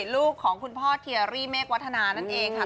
ลูกของคุณพ่อเทียรี่เมฆวัฒนานั่นเองค่ะ